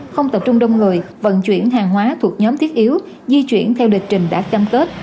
không tập trung đông người vận chuyển hàng hóa thuộc nhóm thiết yếu di chuyển theo địch trình đã cam kết